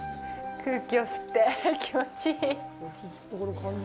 空気を吸って、気持ちいい。